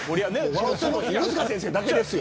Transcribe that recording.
笑ってるの犬塚先生だけですよ。